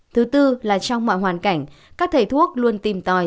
thứ tư là trong mọi hoàn cảnh các thầy thuốc luôn tìm tòi